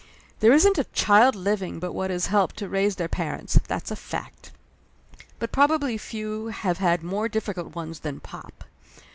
There isn't a child living but what has helped to raise their parents; that's a fact. But probably few have had more difficult ones than pop.